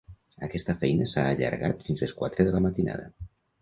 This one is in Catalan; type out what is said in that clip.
Aquesta feina s’ha allargat fins les quatre de la matinada.